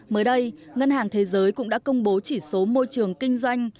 mới đây ngân hàng thế giới cũng đã công bố chỉ số môi trường kinh doanh